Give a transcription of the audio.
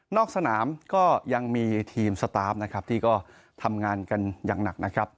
สนามก็ยังมีทีมสตาร์ฟนะครับที่ก็ทำงานกันอย่างหนักนะครับ